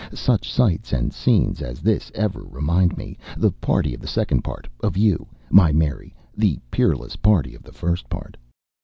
Such sights and scenes as this ever remind me, the party of the second part, of you, my Mary, the peerless party of the first part.